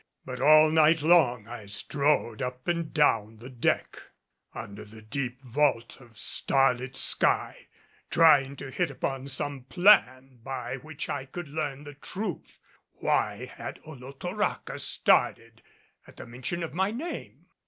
But all night long I strode up and down the deck under the deep vault of starlit sky, trying to hit upon some plan by which I could learn the truth. Why had Olotoraca started at the mention of my name?